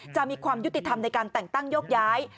จะมีความยุติธรรมในการแต่งตั้งโยกย้าย